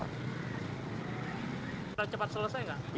bisa cepat selesai